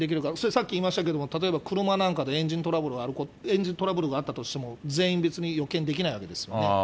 さっき言いましたけど、例えば車でエンジントラブルがあると、エンジントラブルがあったとしても、全員それを予見できないわけですよね。